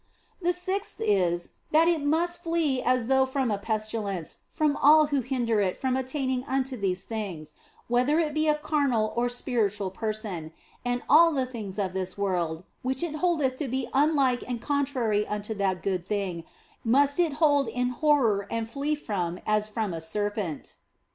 The sixth is, that it must flee as though from a pesti lence from all who hinder it from attaining unto these things, whether it be a carnal or spiritual person, and all the things of this world which it holdeth to be unlike or contrary unto that good thing must it hold in horror and flee from them as from a serpent.